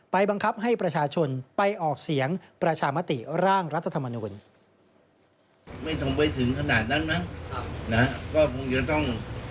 บังคับให้ประชาชนไปออกเสียงประชามติร่างรัฐธรรมนูล